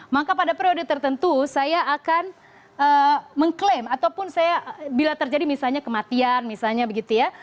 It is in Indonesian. maka pada periode tertentu saya akan mengklaim ataupun saya bila terjadi misalnya kematian misalnya begitu ya